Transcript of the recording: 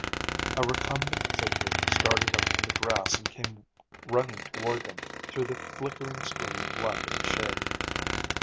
A recumbent figure started up from the grass and came running toward them through the flickering screen of light and shade.